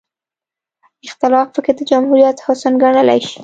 اختلاف پکې د جمهوریت حسن ګڼلی شي.